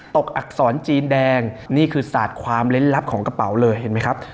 อักษรจีนแดงนี่คือศาสตร์ความเล่นลับของกระเป๋าเลยเห็นไหมครับ